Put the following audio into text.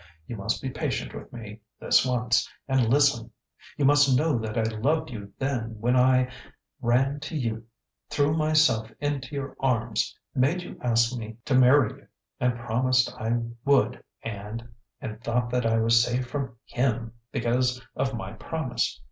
You must be patient with me, this once, and listen.... You must know that I loved you then when I ran to you threw myself into your arms made you ask me to marry you and promised I would and and thought that I was safe from him because of my promise.